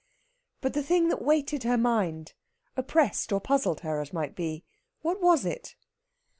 But the thing that weighted her mind oppressed or puzzled her, as might be what was it?